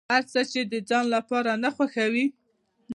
هر هغه څه چې د ځان لپاره نه خوښوې.